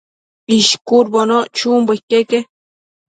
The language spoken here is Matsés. ishcudbono chunbo iqueque